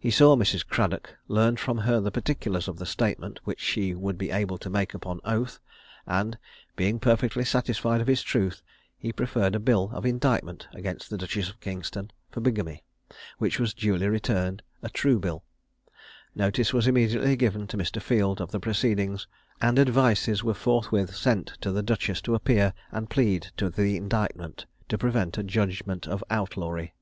He saw Mrs. Cradock; learned from her the particulars of the statement, which she would be able to make upon oath; and, being perfectly [Illustration: The Duchess of Kingston forcing her refractory Banker to cash up.] satisfied of its truth, he preferred a bill of indictment against the Duchess of Kingston for bigamy, which was duly returned a true bill. Notice was immediately given to Mr. Field of the proceedings, and advices were forthwith sent to the duchess to appear and plead to the indictment, to prevent a judgment of outlawry.